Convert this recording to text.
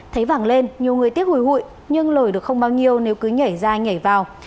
thấy vàng lên nhiều người tiếc hồi hụi nhưng lổi được không bao nhiêu nếu cứ nhảy ra nhảy vào